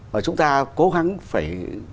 và chúng ta cố gắng phải